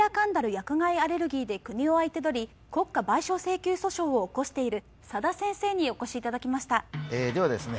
薬害アレルギーで国を相手取り国家賠償請求訴訟を起こしている佐田先生にお越しいただきましたではですね